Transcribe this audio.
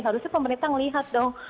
harusnya pemerintah melihat dong